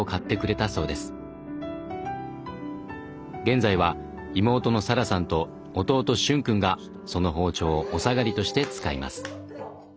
現在は妹の咲来さんと弟瞬くんがその包丁をお下がりとして使います。